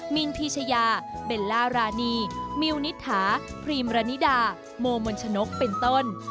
มินพีชยาเบลล่ารานีมิวนิษฐาพรีมรณิดาโมมนชนกเป็นต้น